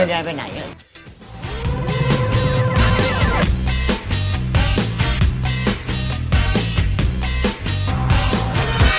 ไม่ได้ย้ายไปไหนเลย